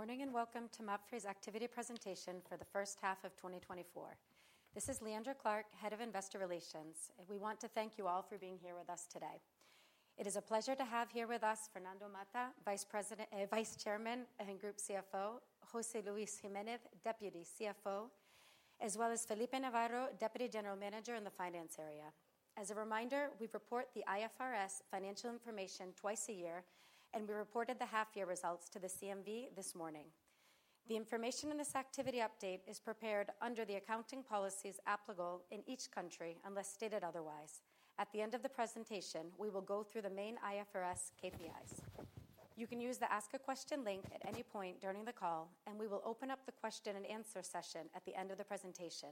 Good morning, and welcome to Mapfre's activity presentation for the first half of 2024. This is Leandra Clark, Head of Investor Relations, and we want to thank you all for being here with us today. It is a pleasure to have here with us Fernando Mata, Vice Chairman and Group CFO, José Luis Jiménez, Deputy CFO, as well as Felipe Navarro, Deputy General Manager in the Finance area. As a reminder, we report the IFRS financial information twice a year, and we reported the half-year results to the CNMV this morning. The information in this activity update is prepared under the accounting policies applicable in each country, unless stated otherwise. At the end of the presentation, we will go through the main IFRS KPIs. You can use the Ask a Question link at any point during the call, and we will open up the question-and-answer session at the end of the presentation.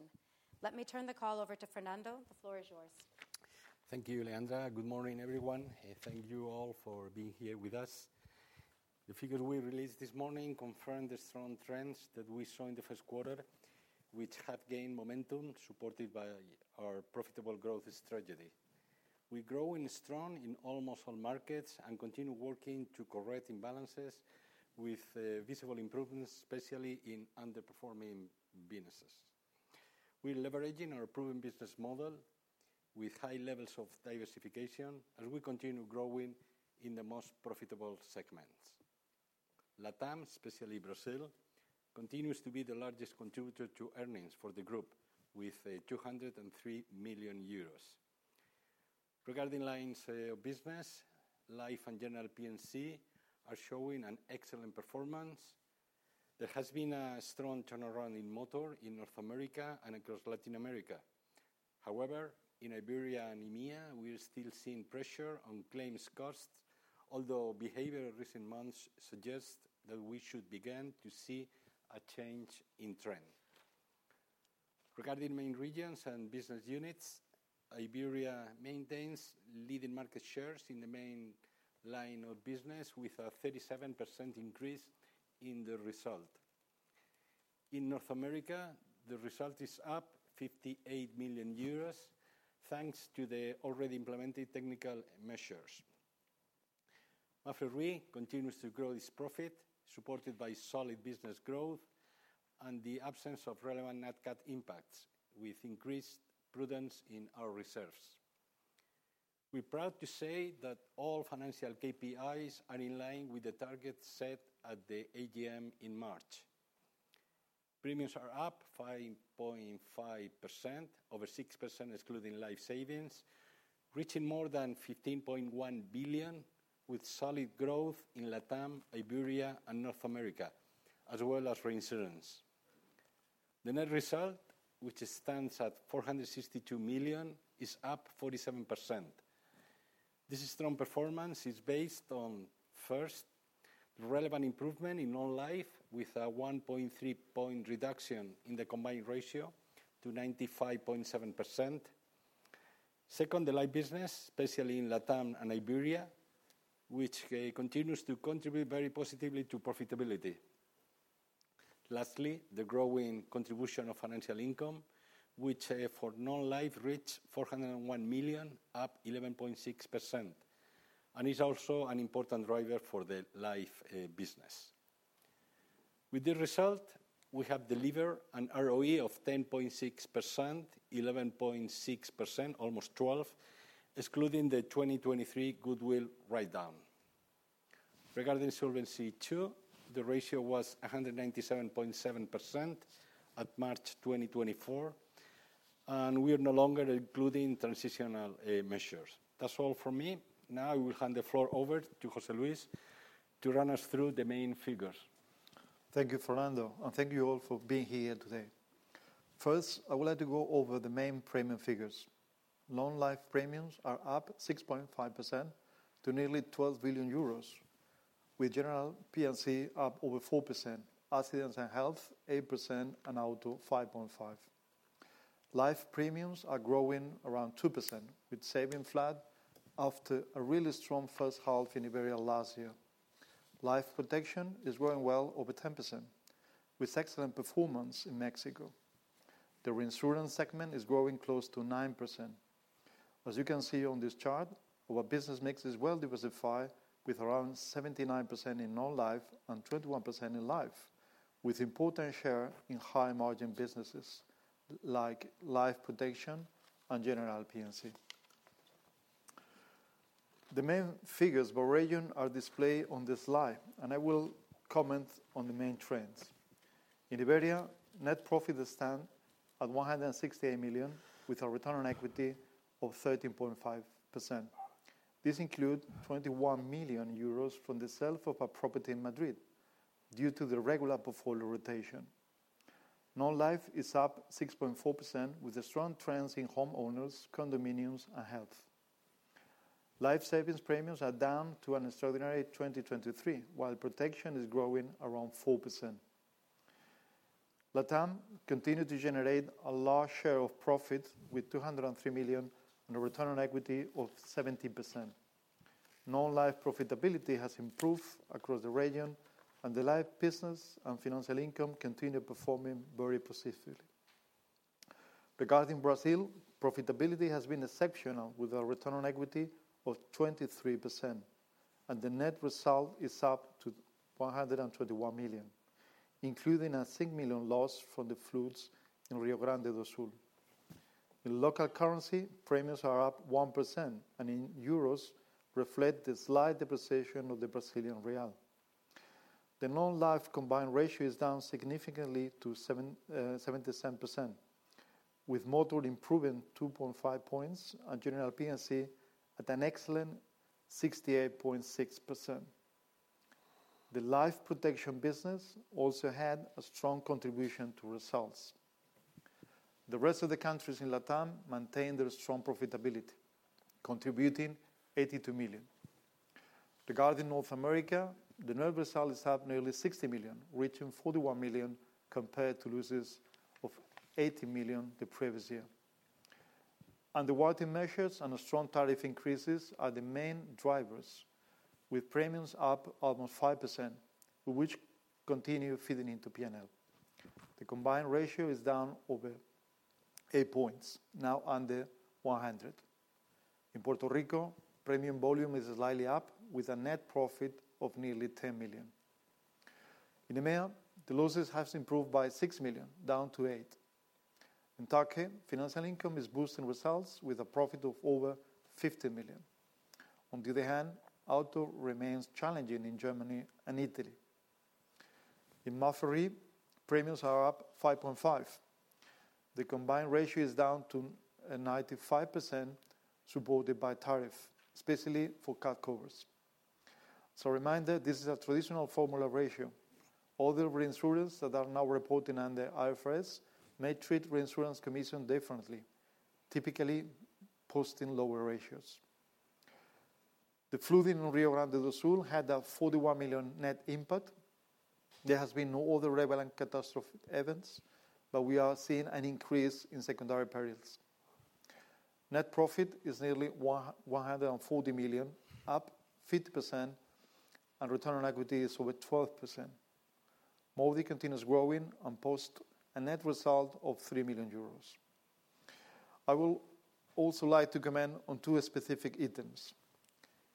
Let me turn the call over to Fernando. The floor is yours. Thank you, Leandra. Good morning, everyone, and thank you all for being here with us. The figures we released this morning confirm the strong trends that we saw in the first quarter, which have gained momentum, supported by our profitable growth strategy. We're growing strong in almost all markets and continue working to correct imbalances with visible improvements, especially in underperforming businesses. We're leveraging our proven business model with high levels of diversification as we continue growing in the most profitable segments. LATAM, especially Brazil, continues to be the largest contributor to earnings for the group with 203 million euros. Regarding lines of business, life and general P&C are showing an excellent performance. There has been a strong turnaround in motor in North America and across Latin America. However, in Iberia and EMEA, we are still seeing pressure on claims costs, although behavior in recent months suggests that we should begin to see a change in trend. Regarding main regions and business units, Iberia maintains leading market shares in the main line of business with a 37% increase in the result. In North America, the result is up 58 million euros, thanks to the already implemented technical measures. Mapfre continues to grow its profit, supported by solid business growth and the absence of relevant nat cat impacts, with increased prudence in our reserves. We're proud to say that all financial KPIs are in line with the targets set at the AGM in March. Premiums are up 5.5%, over 6%, excluding life savings, reaching more than 15.1 billion, with solid growth in LATAM, Iberia, and North America, as well as reinsurance. The net result, which stands at 462 million, is up 47%. This strong performance is based on, first, relevant improvement in non-life, with a 1.3-point reduction in the combined ratio to 95.7%. Second, the life business, especially in LATAM and Iberia, which, continues to contribute very positively to profitability. Lastly, the growing contribution of financial income, which, for non-life, reached 401 million, up 11.6%, and is also an important driver for the life business. With this result, we have delivered an ROE of 10.6%, 11.6%, almost 12%, excluding the 2023 goodwill write-down. Regarding Solvency II, the ratio was 197.7% at March 2024, and we are no longer including transitional, measures. That's all for me. Now, I will hand the floor over to José Luis to run us through the main figures. Thank you, Fernando, and thank you all for being here today. First, I would like to go over the main premium figures. Non-life premiums are up 6.5% to nearly 12 billion euros, with general P&C up over 4%, accidents and health, 8%, and auto, 5.5%. Life premiums are growing around 2%, with savings flat after a really strong first half in Iberia last year. Life protection is growing well over 10%, with excellent performance in Mexico. The reinsurance segment is growing close to 9%. As you can see on this chart, our business mix is well diversified, with around 79% in non-life and 21% in life, with important share in high-margin businesses like life protection and general P&C. The main figures by region are displayed on this slide, and I will comment on the main trends. In Iberia, net profit stands at 168 million, with a return on equity of 13.5%. This includes 21 million euros from the sale of a property in Madrid due to the regular portfolio rotation. Non-life is up 6.4%, with the strong trends in homeowners, condominiums, and health. Life savings premiums are down to an extraordinary 2023, while protection is growing around 4%. LATAM continued to generate a large share of profit with 203 million and a return on equity of 17%. Non-life profitability has improved across the region, and the life business and financial income continue performing very positively. Regarding Brazil, profitability has been exceptional, with a return on equity of 23%, and the net result is up to 121 million, including a 6 million loss from the floods in Rio Grande do Sul. In local currency, premiums are up 1%, and in euros, reflect the slight depreciation of the Brazilian real. The non-life combined ratio is down significantly to 77%, with motor improving 2.5 points and general P&C at an excellent 68.6%. The life protection business also had a strong contribution to results. The rest of the countries in LATAM maintained their strong profitability, contributing 82 million. Regarding North America, the net result is up nearly 60 million, reaching 41 million compared to losses of 80 million the previous year. Underwriting measures and strong tariff increases are the main drivers, with premiums up almost 5%, which continue feeding into P&L. The combined ratio is down over eight points, now under 100. In Puerto Rico, premium volume is slightly up, with a net profit of nearly 10 million. In EMEA, the losses has improved by 6 million, down to 8 million. In Turkey, financial income is boosting results with a profit of over 50 million. On the other hand, auto remains challenging in Germany and Italy. In Mapfre, premiums are up 5.5. The combined ratio is down to 95%, supported by tariff, especially for car covers. So a reminder, this is a traditional formula ratio. Other reinsurers that are now reporting under IFRS may treat reinsurance commission differently, typically posting lower ratios. The flood in Rio Grande do Sul had a 41 million net impact. There has been no other relevant catastrophic events, but we are seeing an increase in secondary perils. Net profit is nearly 140 million, up 50%, and return on equity is over 12%. MAWDY continues growing and posts a net result of 3 million euros. I would also like to comment on two specific items.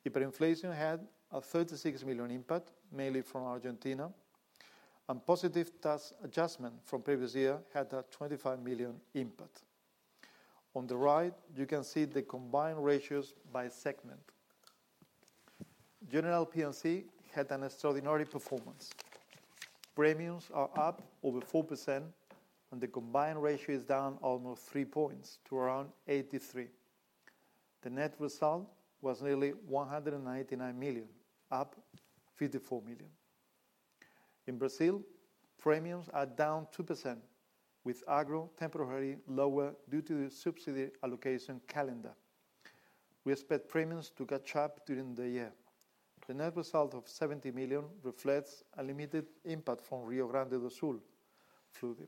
Hyperinflation had a 36 million impact, mainly from Argentina, and positive tax adjustment from previous year had a 25 million impact. On the right, you can see the combined ratios by segment. General P&C had an extraordinary performance. Premiums are up over 4%, and the combined ratio is down almost three points to around 83. The net result was nearly 199 million, up 54 million. In Brazil, premiums are down 2%, with agro temporarily lower due to the subsidy allocation calendar. We expect premiums to catch up during the year. The net result of 70 million reflects a limited impact from Rio Grande do Sul flooding.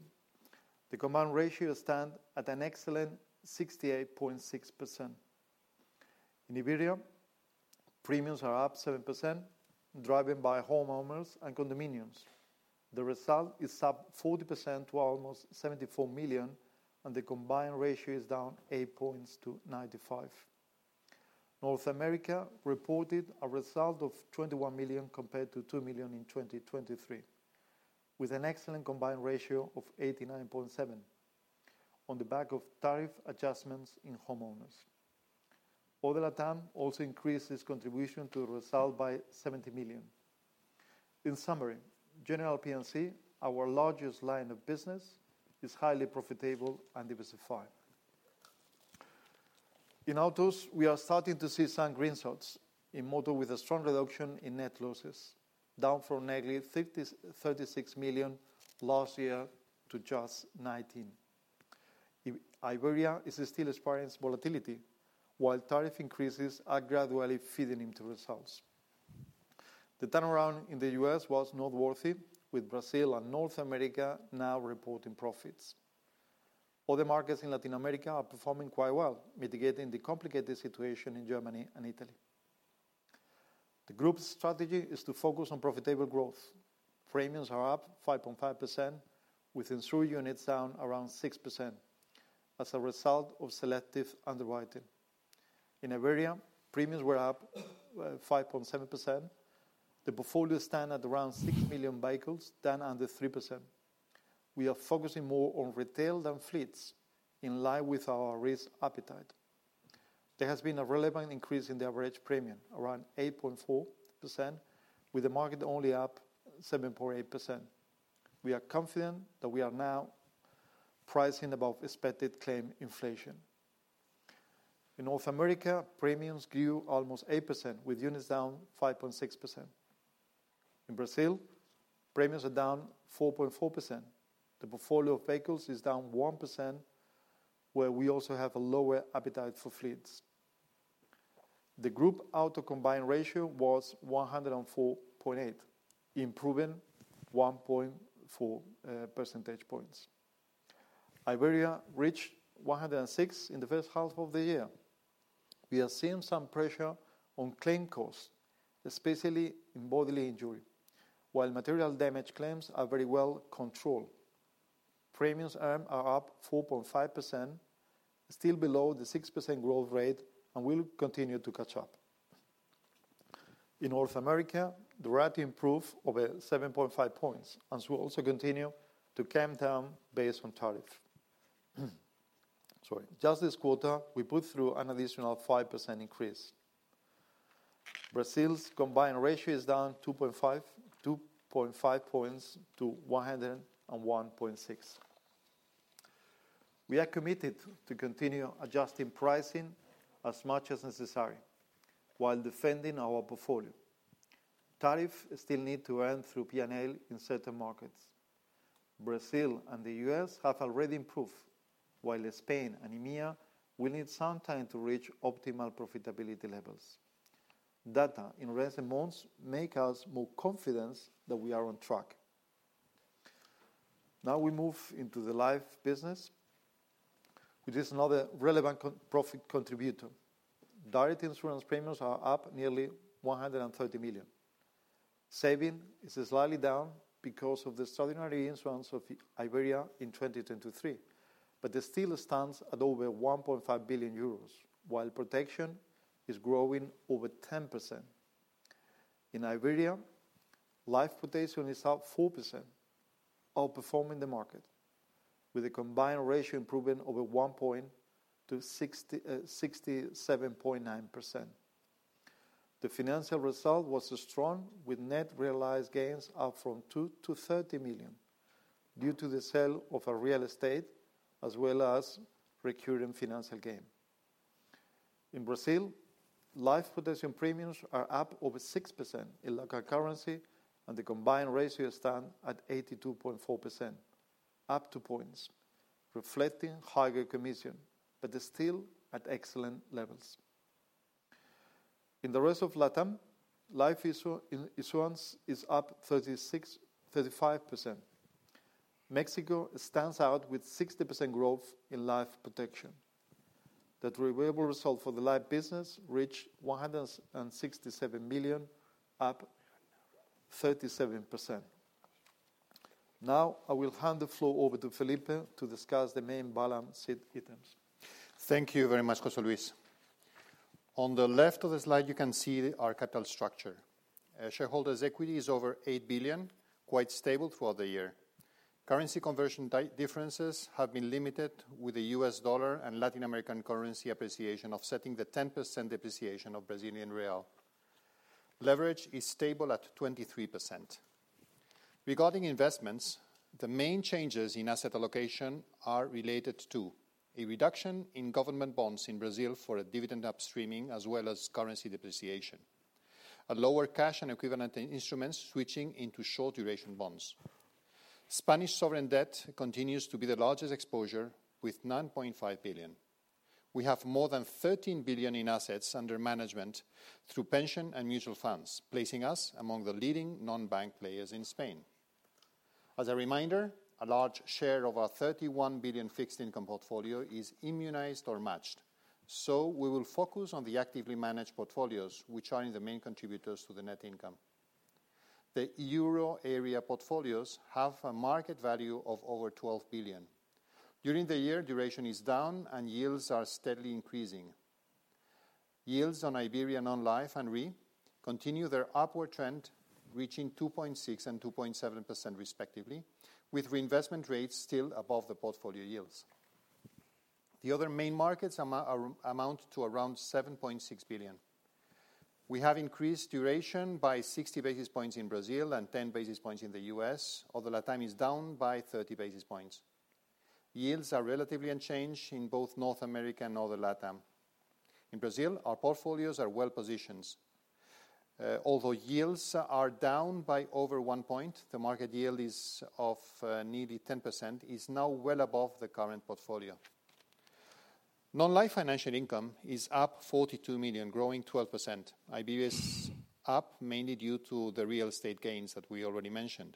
The combined ratio stand at an excellent 68.6%. In Iberia, premiums are up 7%, driven by homeowners and condominiums. The result is up 40% to almost 74 million, and the combined ratio is down eight points to 95. North America reported a result of 21 million compared to 2 million in 2023, with an excellent combined ratio of 89.7 on the back of tariff adjustments in homeowners. Other LATAM also increased its contribution to the result by 70 million. In summary, general P&C, our largest line of business, is highly profitable and diversified. In autos, we are starting to see some green shoots in motor with a strong reduction in net losses, down from nearly 53.6 million last year to just 19 million. Iberia is still experiencing volatility, while tariff increases are gradually feeding into results. The turnaround in the U.S. was noteworthy, with Brazil and North America now reporting profits. Other markets in Latin America are performing quite well, mitigating the complicated situation in Germany and Italy. The group's strategy is to focus on profitable growth. Premiums are up 5.5%, with insured units down around 6% as a result of selective underwriting. In Iberia, premiums were up 5.7%. The portfolio stand at around 6 million vehicles, down under 3%. We are focusing more on retail than fleets, in line with our risk appetite. There has been a relevant increase in the average premium, around 8.4%, with the market only up 7.8%. We are confident that we are now pricing above expected claim inflation. In North America, premiums grew almost 8%, with units down 5.6%. In Brazil, premiums are down 4.4%. The portfolio of vehicles is down 1%, where we also have a lower appetite for fleets. The group auto combined ratio was 104.8, improving 1.4 percentage points. Iberia reached 106 in the first half of the year. We are seeing some pressure on claim costs, especially in bodily injury, while material damage claims are very well controlled. Premiums earned are up 4.5%, still below the 6% growth rate, and will continue to catch up. In North America, the rate improved over 7.5 points and will also continue to come down based on tariff. Sorry. Just this quarter, we put through an additional 5% increase. Brazil's combined ratio is down 2.5 points to 101.6. We are committed to continue adjusting pricing as much as necessary while defending our portfolio. Tariff still need to earn through P&L in certain markets. Brazil and the U.S. have already improved, while Spain and EMEA will need some time to reach optimal profitability levels. Data in recent months make us more confident that we are on track. Now we move into the life business, which is another relevant con- profit contributor. Direct issuance premiums are up nearly 130 million. Savings is slightly down because of the extraordinary issuance of Iberia in 2023, but it still stands at over 1.5 billion euros, while protection is growing over 10%. In Iberia, life protection is up 4%, outperforming the market, with a combined ratio improving over one point to 67.9%. The financial result was strong, with net realized gains up from 2 million-30 million due to the sale of a real estate as well as recurring financial gain. In Brazil, life protection premiums are up over 6% in local currency, and the combined ratio stand at 82.4%, up two points, reflecting higher commission, but still at excellent levels. In the rest of LATAM, life issuance is up 35%. Mexico stands out with 60% growth in life protection. The net result for the life business reached 167 million, up 37%. Now, I will hand the floor over to Felipe to discuss the main balance sheet items. Thank you very much, José Luis. On the left of the slide, you can see our capital structure. Shareholders' equity is over 8 billion, quite stable throughout the year. Currency conversion differences have been limited, with the U.S. dollar and Latin American currency appreciation offsetting the 10% depreciation of Brazilian real. Leverage is stable at 23%. Regarding investments, the main changes in asset allocation are related to: a reduction in government bonds in Brazil for a dividend upstreaming, as well as currency depreciation, a lower cash and equivalent instruments switching into short-duration bonds. Spanish sovereign debt continues to be the largest exposure, with 9.5 billion. We have more than 13 billion in assets under management through pension and mutual funds, placing us among the leading non-bank players in Spain. As a reminder, a large share of our 31 billion fixed income portfolio is immunized or matched, so we will focus on the actively managed portfolios, which are the main contributors to the net income. The euro area portfolios have a market value of over 12 billion. During the year, duration is down and yields are steadily increasing. Yields on Iberia, non-life and re continue their upward trend, reaching 2.6% and 2.7% respectively, with reinvestment rates still above the portfolio yields. The other main markets amount to around 7.6 billion. We have increased duration by 60 basis points in Brazil and 10 basis points in the U.S., although LATAM is down by 30 basis points. Yields are relatively unchanged in both North America and other LATAM. In Brazil, our portfolios are well positioned. Although yields are down by over one point, the market yield is of nearly 10%, is now well above the current portfolio. Non-life financial income is up 42 million, growing 12%. Iberia is up, mainly due to the real estate gains that we already mentioned.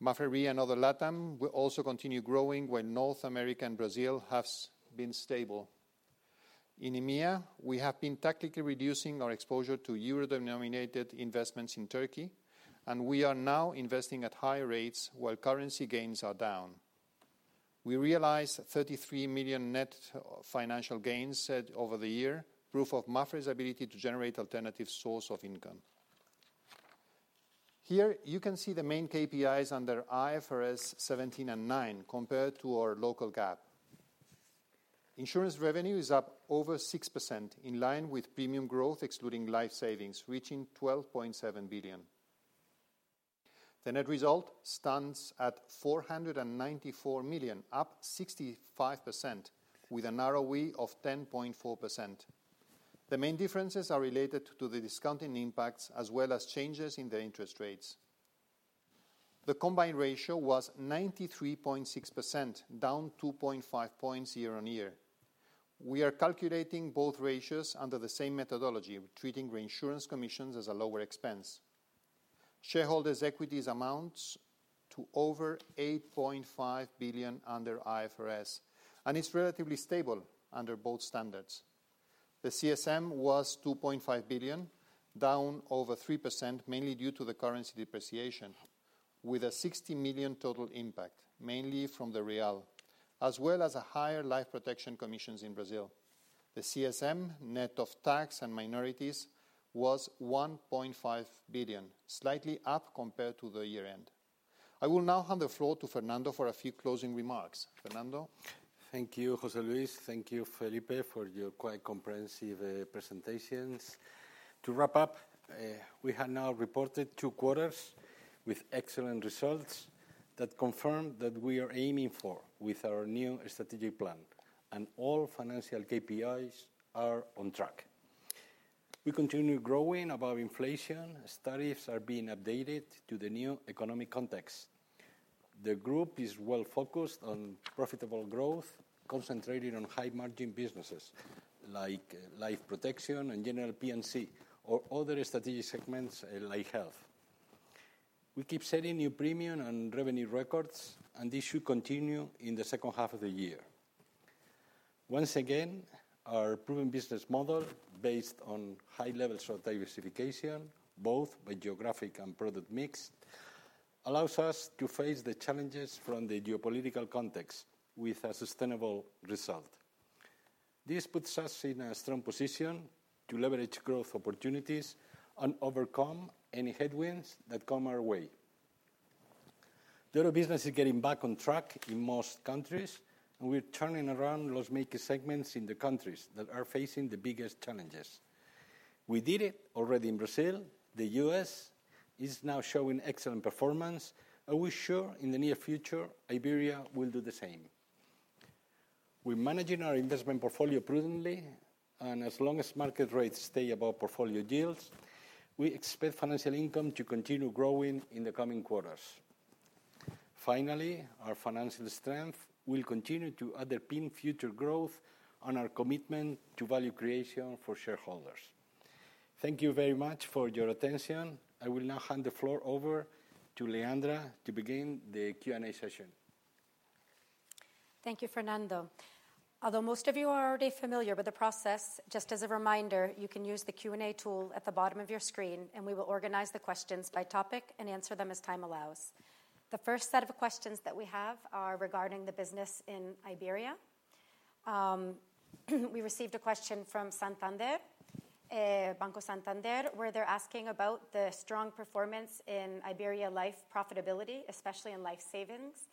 Mapfre and other LATAM will also continue growing when North America and Brazil has been stable. In EMEA, we have been tactically reducing our exposure to euro-denominated investments in Turkey, and we are now investing at higher rates while currency gains are down. We realized 33 million net financial gains over the year, proof of Mapfre's ability to generate alternative source of income. Here you can see the main KPIs under IFRS 17 and 9 compared to our local GAAP. Insurance revenue is up over 6%, in line with premium growth, excluding life savings, reaching 12.7 billion. The net result stands at 494 million, up 65%, with an ROE of 10.4%. The main differences are related to the discounting impacts as well as changes in the interest rates. The combined ratio was 93.6%, down 2.5 points year-on-year. We are calculating both ratios under the same methodology, treating reinsurance commissions as a lower expense. Shareholders' equities amounts to over 8.5 billion under IFRS, and it's relatively stable under both standards. The CSM was 2.5 billion, down over 3%, mainly due to the currency depreciation, with a 60 million total impact, mainly from the real, as well as a higher life protection commissions in Brazil. The CSM, net of tax and minorities, was 1.5 billion, slightly up compared to the year-end. I will now hand the floor to Fernando for a few closing remarks. Fernando? Thank you, José Luis. Thank you, Felipe, for your quite comprehensive presentations. To wrap up, we have now reported two quarters with excellent results that confirm that we are aiming for with our new strategic plan, and all financial KPIs are on track. We continue growing above inflation. Tariffs are being updated to the new economic context. The group is well focused on profitable growth, concentrated on high-margin businesses like life protection and general P&C or other strategic segments like health. We keep setting new premium and revenue records, and this should continue in the second half of the year. Once again, our proven business model, based on high levels of diversification, both by geographic and product mix, allows us to face the challenges from the geopolitical context with a sustainable result. This puts us in a strong position to leverage growth opportunities and overcome any headwinds that come our way. The other business is getting back on track in most countries, and we're turning around loss-making segments in the countries that are facing the biggest challenges. We did it already in Brazil. The U.S. is now showing excellent performance, and we're sure in the near future, Iberia will do the same. We're managing our investment portfolio prudently, and as long as market rates stay above portfolio yields, we expect financial income to continue growing in the coming quarters. Finally, our financial strength will continue to underpin future growth and our commitment to value creation for shareholders. Thank you very much for your attention. I will now hand the floor over to Leandra to begin the Q&A session. Thank you, Fernando. Although most of you are already familiar with the process, just as a reminder, you can use the Q&A tool at the bottom of your screen, and we will organize the questions by topic and answer them as time allows. The first set of questions that we have are regarding the business in Iberia. We received a question from Santander, Banco Santander, where they're asking about the strong performance in Iberia life profitability, especially in life savings.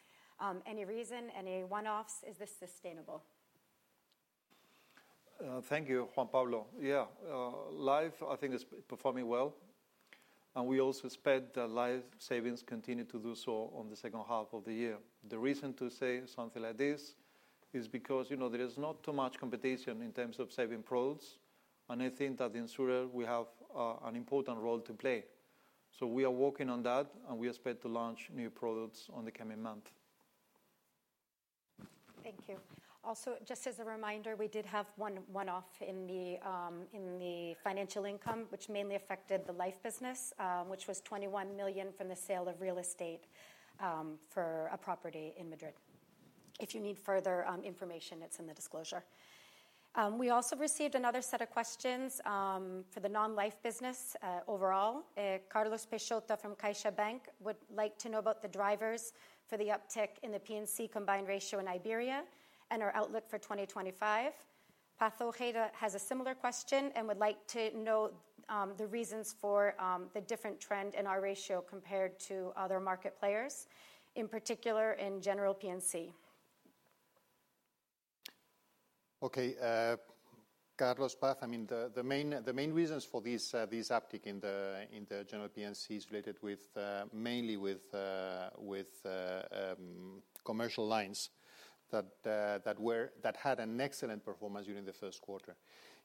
Any reason? Any one-offs? Is this sustainable? Thank you, Juan Pablo. Yeah, life, I think, is performing well, and we also expect that life savings continue to do so on the second half of the year. The reason to say something like this is because, you know, there is not too much competition in terms of saving products, and I think that the insurer will have an important role to play. So we are working on that, and we expect to launch new products on the coming month. Thank you. Also, just as a reminder, we did have one one-off in the financial income, which mainly affected the Life Business, which was 21 million from the sale of real estate for a property in Madrid. If you need further information, it's in the disclosure. We also received another set of questions for the non-Life business overall. Carlos Peixoto from CaixaBank would like to know about the drivers for the uptick in the P&C combined ratio in Iberia and our outlook for 2025. Paz Ojeda has a similar question and would like to know the reasons for the different trend in our ratio compared to other market players, in particular in general P&C. Okay, Paz, I mean, the main reasons for this uptick in the general P&C is related with mainly with commercial lines that had an excellent performance during the first quarter.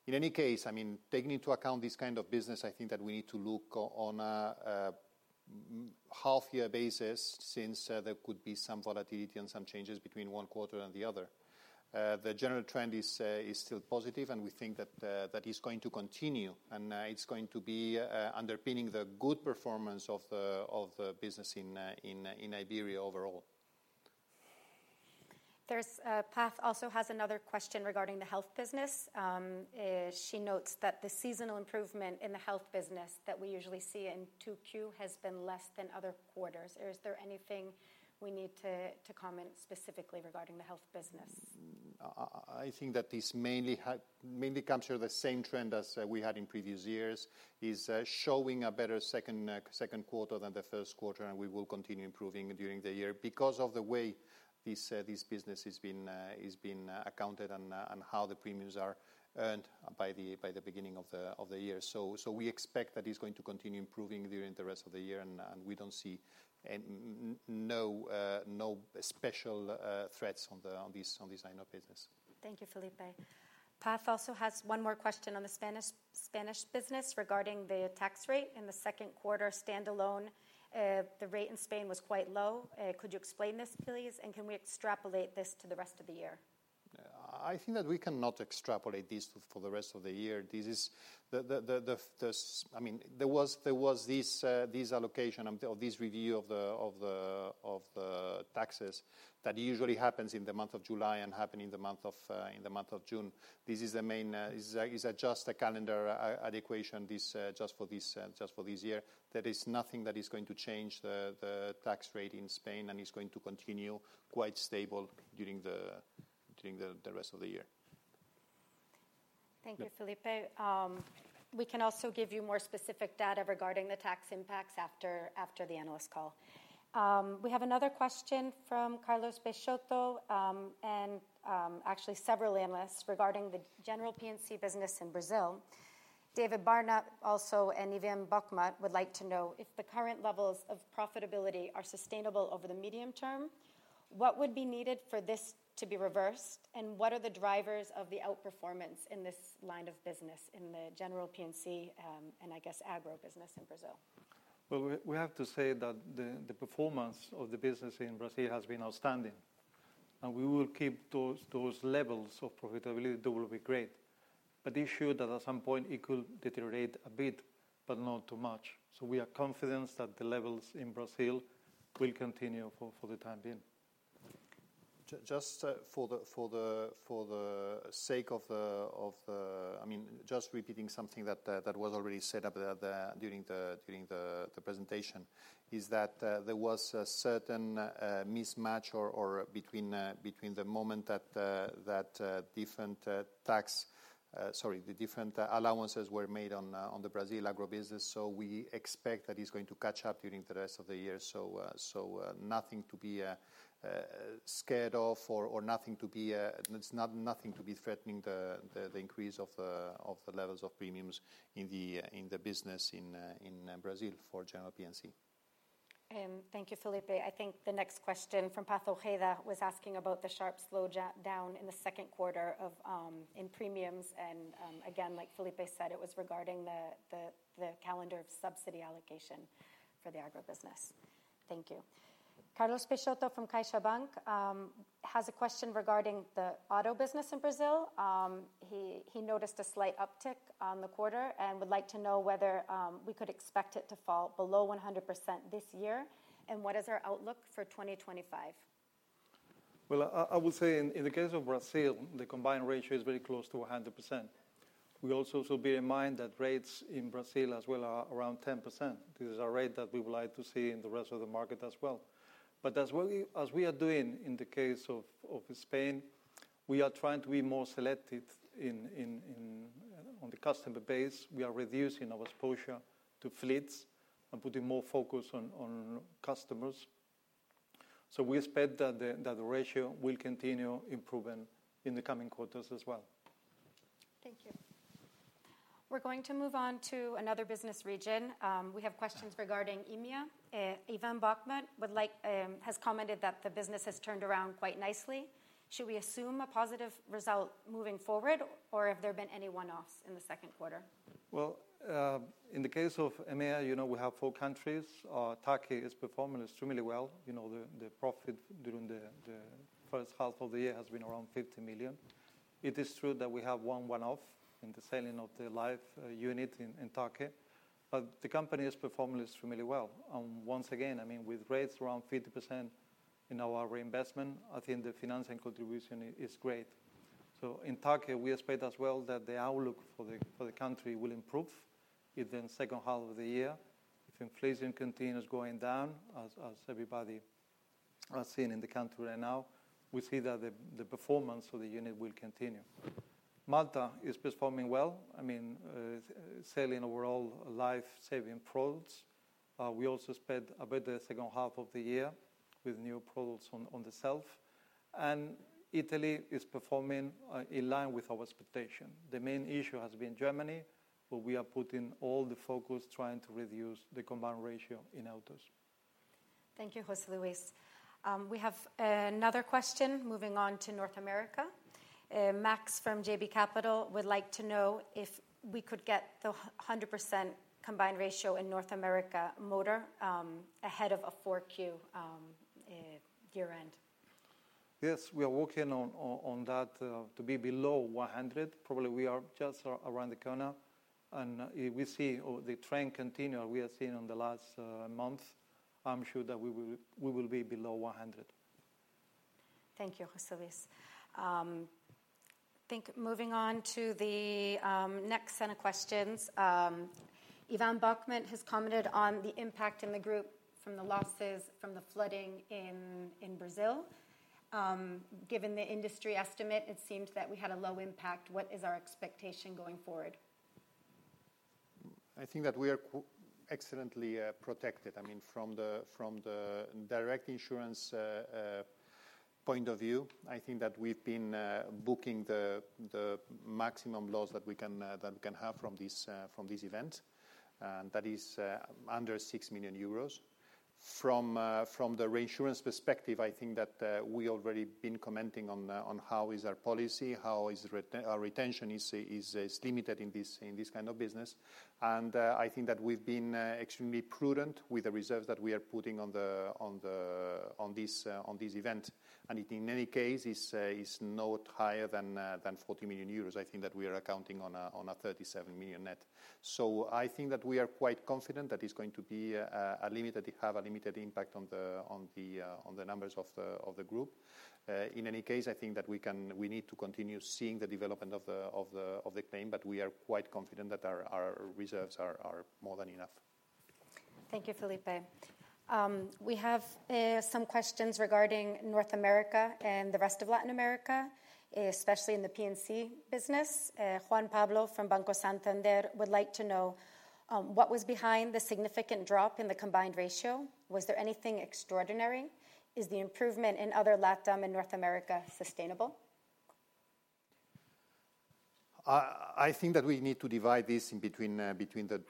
In any case, I mean, taking into account this kind of business, I think that we need to look on a half-year basis, since there could be some volatility and some changes between one quarter and the other. The general trend is still positive, and we think that that is going to continue, and it's going to be underpinning the good performance of the business in Iberia overall. There's Paz also has another question regarding the health business. She notes that the seasonal improvement in the health business that we usually see in 2Q has been less than other quarters. Is there anything we need to comment specifically regarding the health business? I think that this mainly comes from the same trend as we had in previous years, is showing a better second quarter than the first quarter, and we will continue improving during the year. Because of the way this business is being accounted and how the premiums are earned by the beginning of the year. We expect that it's going to continue improving during the rest of the year, and we don't see any... no special threats on this line of business. Thank you, Felipe. Paz also has one more question on the Spanish, Spanish business regarding the tax rate. In the second quarter standalone, the rate in Spain was quite low. Could you explain this, please and can we extrapolate this to the rest of the year? I think that we cannot extrapolate this for the rest of the year. This is the—I mean, there was this allocation of this review of the taxes that usually happens in the month of July and happen in the month of June. This is the main—is just a calendar adaptation, just for this year. There is nothing that is going to change the tax rate in Spain, and it's going to continue quite stable during the rest of the year. Thank you, Felipe. We can also give you more specific data regarding the tax impacts after the analyst call. We have another question from Carlos Peixoto, and actually several analysts regarding the general P&C business in Brazil. David Barma also and Ivan Bokhmat would like to know if the current levels of profitability are sustainable over the medium term, what would be needed for this to be reversed, and what are the drivers of the outperformance in this line of business in the general P&C, and I guess agro business in Brazil? Well, we have to say that the performance of the business in Brazil has been outstanding, and we will keep those levels of profitability. That will be great, but it is sure that at some point it could deteriorate a bit, but not too much. So we are confident that the levels in Brazil will continue for the time being. Just for the sake of the... I mean, just repeating something that was already said up there during the presentation, is that there was a certain mismatch or between the moment that different tax, sorry, the different allowances were made on the Brazil agro business, so we expect that it's going to catch up during the rest of the year. So, nothing to be scared of or nothing to be, it's not nothing to be threatening the increase of the levels of premiums in the business in Brazil for general P&C. Thank you, Felipe. I think the next question from Paz Ojeda was asking about the sharp slowdown in the second quarter of in premiums, and again, like Felipe said, it was regarding the calendar of subsidy allocation for the agro business. Thank you. Carlos Peixoto from CaixaBank has a question regarding the auto business in Brazil. He noticed a slight uptick on the quarter and would like to know whether we could expect it to fall below 100% this year, and what is our outlook for 2025? Well, I would say in the case of Brazil, the combined ratio is very close to 100%. We also should bear in mind that rates in Brazil as well are around 10%. This is a rate that we would like to see in the rest of the market as well. But as well we, as we are doing in the case of Spain, we are trying to be more selective in on the customer base. We are reducing our exposure to fleets and putting more focus on customers. So we expect that the ratio will continue improving in the coming quarters as well. Thank you. We're going to move on to another business region. We have questions regarding EMEA. Ivan Bokhmat would like, has commented that the business has turned around quite nicely. Should we assume a positive result moving forward, or have there been any one-offs in the second quarter? Well, in the case of EMEA, you know, we have four countries. Turkey is performing extremely well. You know, the profit during the first half of the year has been around 50 million. It is true that we have one one-off in the selling of the life unit in Turkey, but the company is performing extremely well. Once again, I mean, with rates around 50% in our reinvestment, I think the financing contribution is great. So in Turkey, we expect as well that the outlook for the country will improve in the second half of the year. If inflation continues going down, as everybody are seeing in the country right now, we see that the performance of the unit will continue. Malta is performing well, I mean, selling overall life savings products. We also expect a better second half of the year with new products on the shelf, and Italy is performing in line with our expectation. The main issue has been Germany, but we are putting all the focus trying to reduce the combined ratio in autos. Thank you, José Luis. We have another question moving on to North America. Max from JB Capital would like to know if we could get the 100% combined ratio in North America motor ahead of a 4Q year-end. Yes, we are working on that to be below 100. Probably, we are just around the corner, and if we see the trend continue, we have seen in the last months, I'm sure that we will be below 100. Thank you, José Luis. I think moving on to the next set of questions, Ivan Bokhmat has commented on the impact in the group from the losses from the flooding in Brazil. Given the industry estimate, it seems that we had a low impact. What is our expectation going forward? I think that we are excellently protected. I mean, from the direct insurance point of view, I think that we've been booking the maximum loss that we can have from this event, and that is under 6 million euros. From the reinsurance perspective, I think that we already been commenting on how is our policy, how is our retention is limited in this kind of business and I think that we've been extremely prudent with the reserves that we are putting on this event. In any case, is not higher than 40 million euros. I think that we are counting on a 37 million net. So I think that we are quite confident that it's going to have a limited impact on the numbers of the group. In any case, I think that we need to continue seeing the development of the claim, but we are quite confident that our reserves are more than enough. Thank you, Felipe. We have some questions regarding North America and the rest of Latin America, especially in the P&C business. Juan Pablo from Banco Santander would like to know what was behind the significant drop in the combined ratio? Was there anything extraordinary? Is the improvement in other LATAM and North America sustainable? I think that we need to divide this between the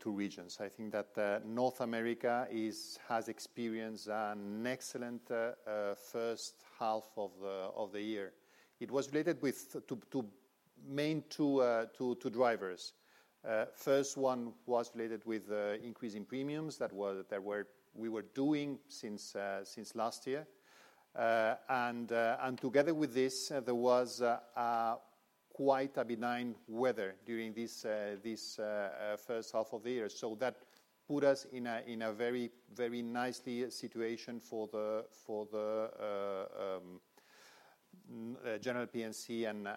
two regions. I think that North America has experienced an excellent first half of the year. It was related to two main drivers. First one was related with increasing premiums that we were doing since last year and together with this, there was quite a benign weather during this first half of the year. So that put us in a very nice situation for the general P&C and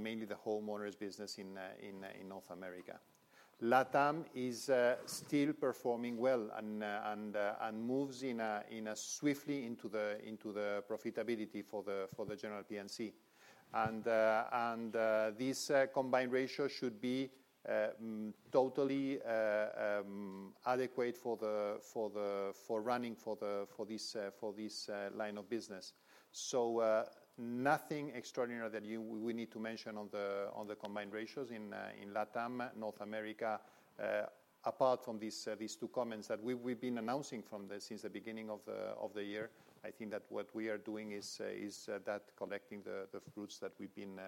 mainly the homeowners business in North America. LATAM is still performing well and moves swiftly into the profitability for the general P&C. This Combined Ratio should be totally adequate for running this line of business. So, nothing extraordinary that we need to mention on the Combined Ratios in LATAM, North America, apart from these two comments that we've been announcing since the beginning of the year. I think that what we are doing is collecting the fruits that we've been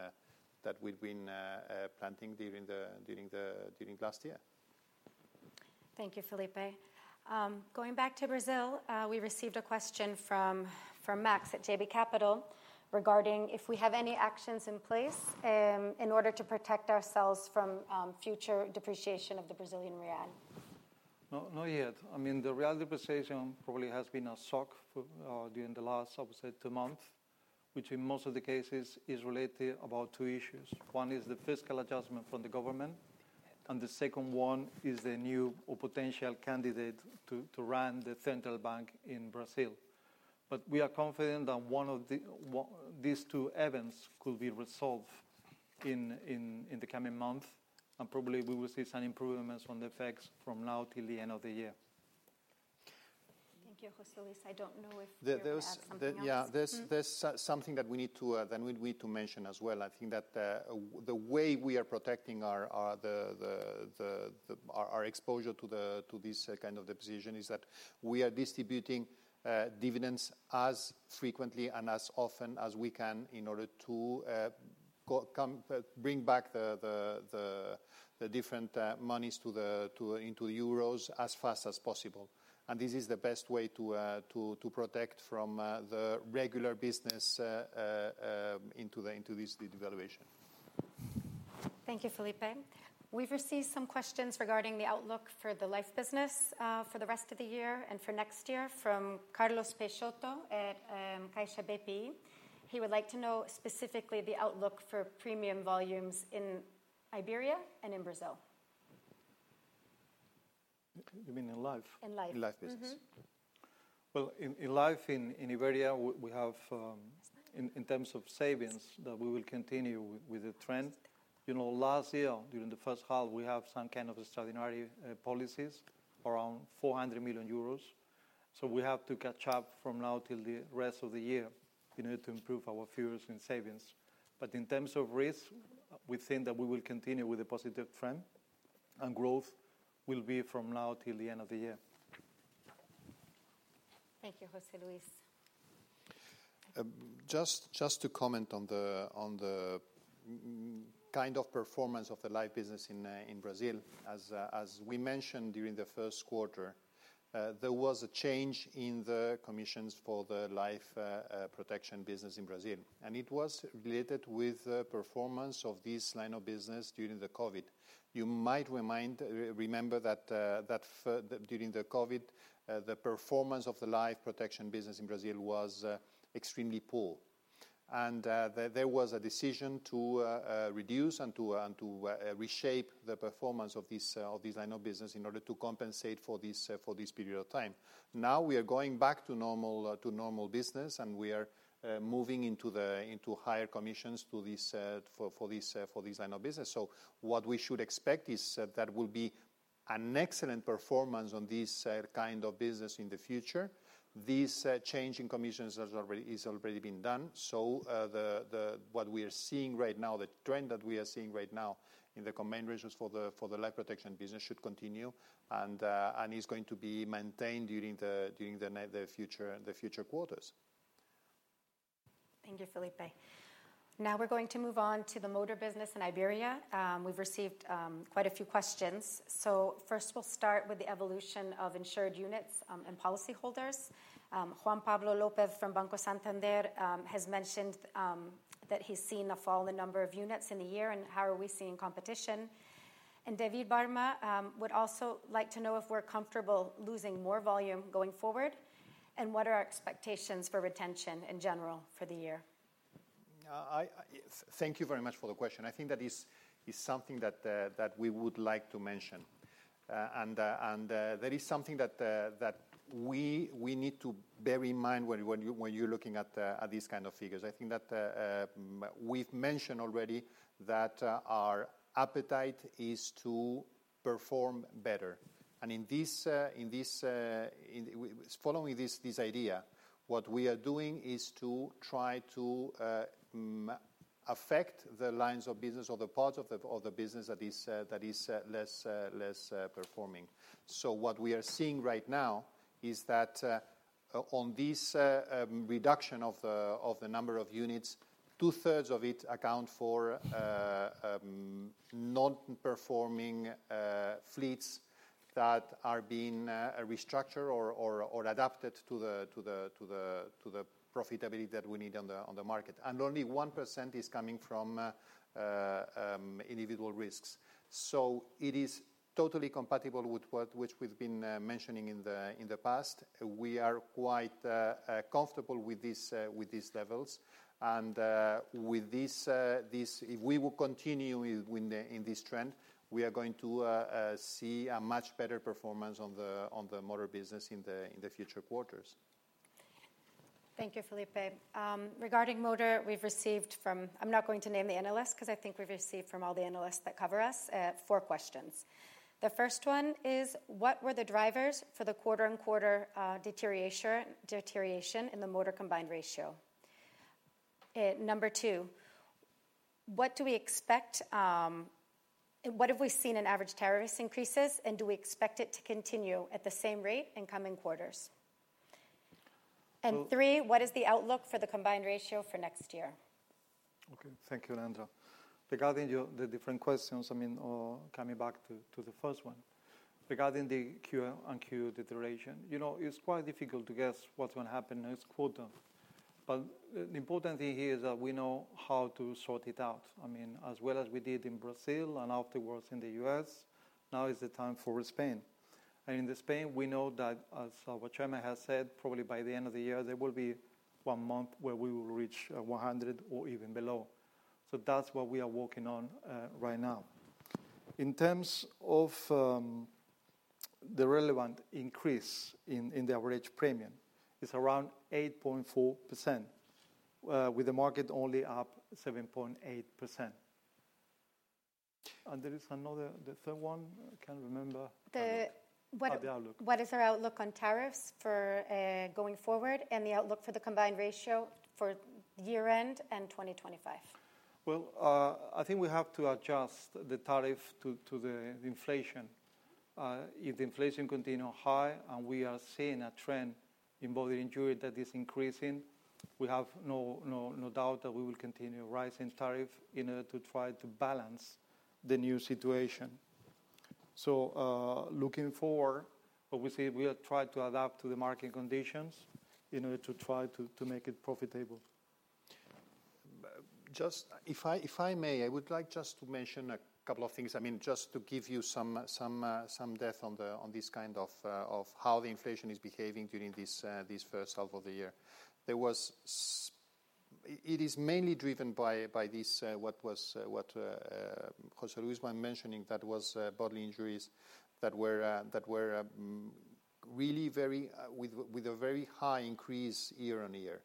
planting during last year. Thank you, Felipe. Going back to Brazil, we received a question from Max at JB Capital regarding if we have any actions in place in order to protect ourselves from future depreciation of the Brazilian real. No, not yet. I mean, the real depreciation probably has been a shock during the last, I would say, two months, which in most of the cases is related about two issues. One is the fiscal adjustment from the government, and the second one is the new or potential candidate to run the central bank in Brazil. But we are confident that one of the, these two events could be resolved in the coming month, and probably we will see some improvements on the effects from now till the end of the year. Thank you, José Luis. I don't know if you want to add something else. Yeah, there's something that we need to mention as well. I think that the way we are protecting our exposure to this kind of devaluation is that we are distributing dividends as frequently and as often as we can in order to bring back the different monies into euros as fast as possible and this is the best way to protect the regular business from the devaluation. Thank you, Felipe. We've received some questions regarding the outlook for the life business, for the rest of the year and for next year from Carlos Peixoto at, Caixa BPI. He would like to know specifically the outlook for premium volumes in Iberia and in Brazil. You mean in life? In life. In life business. Well, in life, in Iberia, we have, in terms of savings, that we will continue with the trend. You know, last year, during the first half, we have some kind of extraordinary policies, around 400 million euros. So we have to catch up from now till the rest of the year in order to improve our futures in savings. But in terms of risk, we think that we will continue with a positive trend, and growth will be from now till the end of the year. Thank you, José Luis. Just to comment on the kind of performance of the life business in Brazil. As we mentioned during the first quarter, there was a change in the commissions for the life protection business in Brazil, and it was related with the performance of this line of business during the COVID. You might remember that during the COVID, the performance of the life protection business in Brazil was extremely poor. There was a decision to reduce and to reshape the performance of this line of business in order to compensate for this period of time. Now, we are going back to normal, to normal business, and we are moving into the, into higher commissions to this, for, for this, for this line of business. So what we should expect is that will be an excellent performance on this, kind of business in the future. This change in commissions has already, is already been done, so the, the- what we are seeing right now, the trend that we are seeing right now in the Iberian regions for the, for the life protection business should continue, and is going to be maintained during the, during the future, the future quarters. Thank you, Felipe. Now we're going to move on to the motor business in Iberia. We've received, quite a few questions. So first, we'll start with the evolution of insured units, and policyholders. Juan Pablo López from Banco Santander, has mentioned, that he's seen a fall in the number of units in the year, and how are we seeing competition? David Barma, would also like to know if we're comfortable losing more volume going forward, and what are our expectations for retention in general for the year? I thank you very much for the question. I think that is something that we would like to mention. There is something that we need to bear in mind when you're looking at these kind of figures. I think that we've mentioned already that our appetite is to perform better. Following this idea, what we are doing is to try to affect the lines of business or the parts of the business that is less performing. So what we are seeing right now is that, on this reduction of the number of units, 2/3 of it account for non-performing fleets that are being restructured or adapted to the profitability that we need on the market and only 1% is coming from individual risks. So it is totally compatible with what we've been mentioning in the past. We are quite comfortable with these levels and with this, if we will continue in this trend, we are going to see a much better performance on the motor business in the future quarters. Thank you, Felipe. Regarding motor, we've received from... I'm not going to name the analyst, because I think we've received from all the analysts that cover us, four questions. The first one is: What were the drivers for the quarter-on-quarter, deterioration in the motor combined ratio? Number two: What do we expect, what have we seen in average tariffs increases, and do we expect it to continue at the same rate in coming quarters? Three: What is the outlook for the combined ratio for next year? Okay, thank you, Leandra. Regarding your, the different questions, I mean, or coming back to, to the first one, regarding the Q on Q deterioration, you know, it's quite difficult to guess what's going to happen next quarter. But the important thing here is that we know how to sort it out. I mean, as well as we did in Brazil and afterwards in the U.S., now is the time for Spain. In Spain, we know that, as our chairman has said, probably by the end of the year, there will be one month where we will reach, 100 or even below. So that's what we are working on right now. In terms of, the relevant increase in, in the average premium, it's around 8.4%, with the market only up 7.8%. There is another, the third one, I can't remember- The, what- The outlook. What is our outlook on tariffs for going forward, and the outlook for the combined ratio for year-end and 2025? Well, I think we have to adjust the tariff to the inflation. If the inflation continue high, and we are seeing a trend in bodily injury that is increasing, we have no, no, no doubt that we will continue rising tariff in order to try to balance the new situation. So, looking forward, obviously, we will try to adapt to the market conditions in order to try to make it profitable. Just if I may, I would like just to mention a couple of things. I mean, just to give you some depth on this kind of how the inflation is behaving during this first half of the year. It is mainly driven by this what José Luis was mentioning, that was bodily injuries that were really very with a very high increase year-on-year,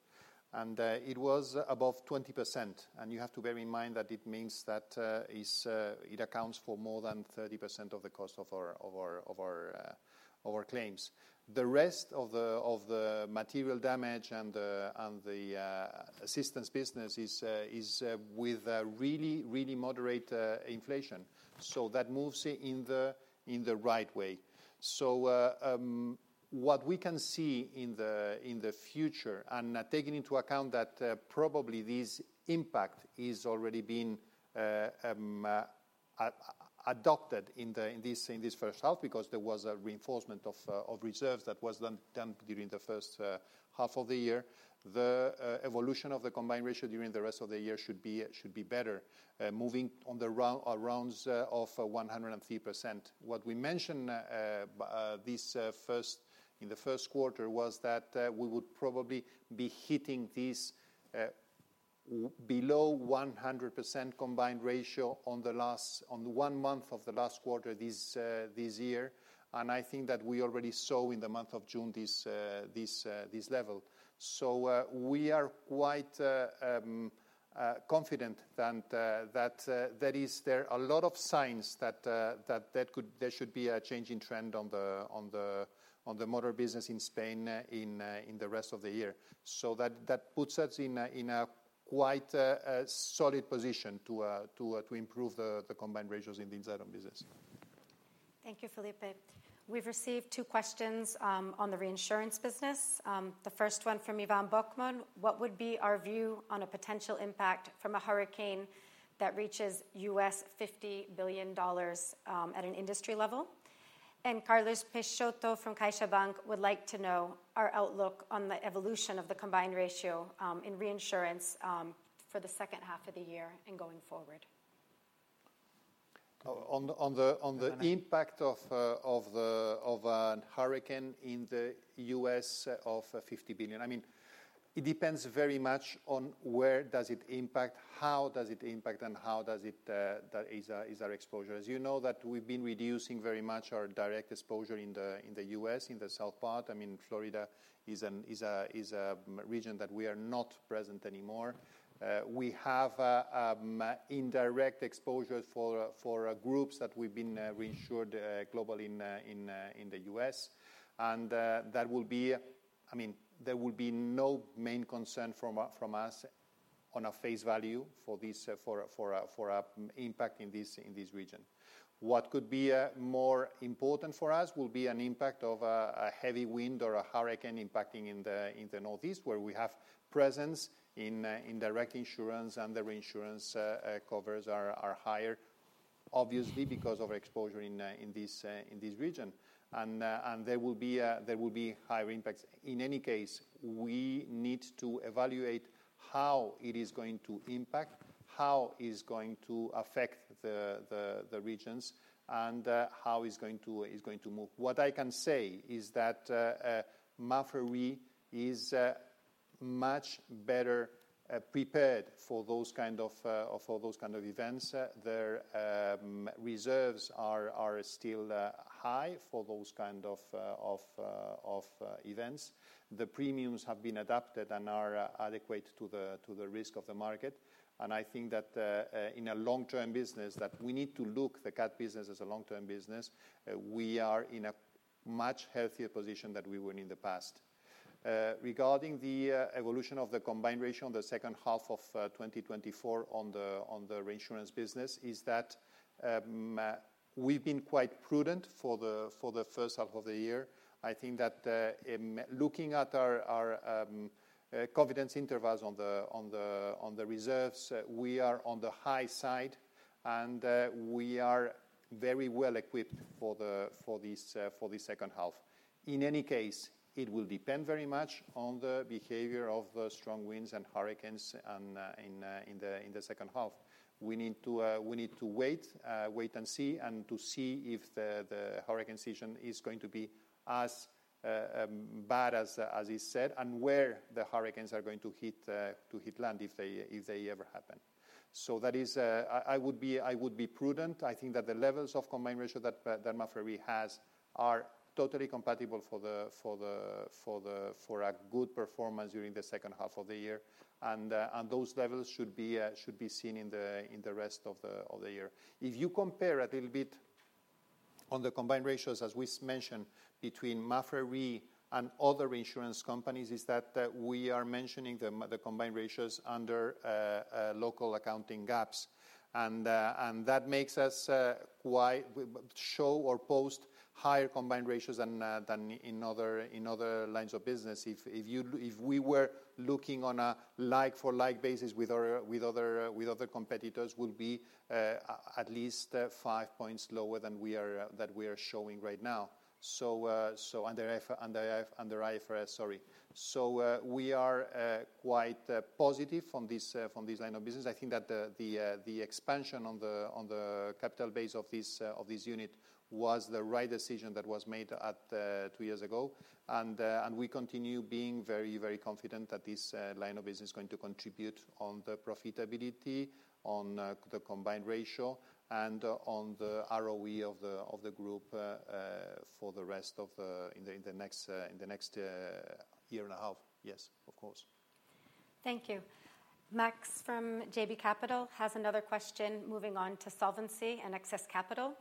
and it was above 20% and you have to bear in mind that it means that it accounts for more than 30% of the cost of our claims. The rest of the material damage and the assistance business is with a really, really moderate inflation. So that moves it in the right way. So, what we can see in the future, and taking into account that, probably this impact is already being adopted in this first half, because there was a reinforcement of reserves that was done during the first half of the year. The evolution of the combined ratio during the rest of the year should be better, moving around 103%. What we mentioned this first in the first quarter was that we would probably be hitting this below 100% combined ratio on the last on the one month of the last quarter this year. I think that we already saw in the month of June this level. So, we are quite confident that there is a lot of signs that there should be a changing trend on the motor business in Spain in the rest of the year. So that puts us in a quite solid position to improve the combined ratios in this item business. Thank you, Felipe. We've received two questions on the reinsurance business. The first one from Ivan Bokhmat: What would be our view on a potential impact from a hurricane that reaches $50 billion at an industry level? Carlos Peixoto from CaixaBank would like to know our outlook on the evolution of the combined ratio in reinsurance for the second half of the year and going forward. On the impact of a hurricane in the U.S. of $50 billion, I mean, it depends very much on where does it impact, how does it impact, and is our exposure. As you know, that we've been reducing very much our direct exposure in the U.S., in the south part. I mean, Florida is a region that we are not present anymore. We have an indirect exposure for groups that we've been reinsured globally in the U.S and that will be, I mean, there will be no main concern from us on a face value for this impact in this region. What could be more important for us will be an impact of a heavy wind or a hurricane impacting in the northeast, where we have presence in direct insurance, and the reinsurance covers are higher, obviously because of exposure in this region. There will be higher impacts. In any case, we need to evaluate how it is going to impact, how it's going to affect the regions, and how it's going to move. What I can say is that Mapfre is much better prepared for those kind of events. The reserves are still high for those kind of events. The premiums have been adapted and are adequate to the risk of the market, and I think that in a long-term business, that we need to look the cat business as a long-term business. We are in a much healthier position than we were in the past. Regarding the evolution of the combined ratio in the second half of 2024 on the reinsurance business, is that we've been quite prudent for the first half of the year. I think that looking at our confidence intervals on the reserves, we are on the high side, and we are very well equipped for this for the second half. In any case, it will depend very much on the behavior of strong winds and hurricanes and in the second half. We need to wait and see, and to see if the hurricane season is going to be as bad as is said, and where the hurricanes are going to hit land, if they ever happen. I would be prudent. I think that the levels of combined ratio that Mapfre Re has are totally compatible for a good performance during the second half of the year and those levels should be seen in the rest of the year. If you compare a little bit on the combined ratios, as we mentioned, between Mapfre and other reinsurance companies, is that we are mentioning the combined ratios under local accounting GAAPs, and that makes us show or post higher combined ratios than, than in other, in other lines of business. If, if you, if we were looking on a like for like basis with our, with other, with other competitors, would be, at least, five points lower than we are, that we are showing right now. So, so under IFRS, sorry. So, we are, quite positive from this, from this line of business. I think that the expansion on the capital base of this unit was the right decision that was made two years ago and we continue being very, very confident that this line of business is going to contribute on the profitability, on the combined ratio, and on the ROE of the group for the rest of in the next year and a half. Yes, of course. Thank you. Max from JB Capital Markets has another question, moving on to solvency and excess capital.